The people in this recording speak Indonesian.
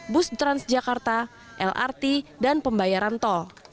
bus transjakarta lrt dan pembayaran tol